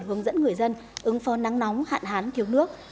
hướng dẫn người dân ứng phó nắng nóng hạn hán thiếu nước